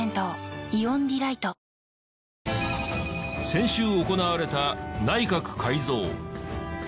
先週行われた内閣改造。